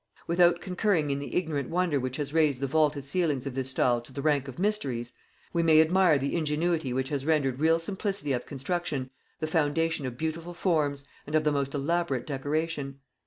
Without concurring in the ignorant wonder which has raised the vaulted ceilings of this style to the rank of mysteries, we may admire the ingenuity which has rendered real simplicity of construction the foundation of beautiful forms and of the most elaborate decoration.